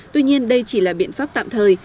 tuy nhiên đây chỉ là biện pháp tạm thời